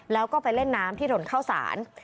แล้วก็ไปเล่นน้ำที่ถนนเข้าสาร